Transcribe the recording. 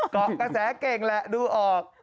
เกาะกระแสเก่งแหละดูออก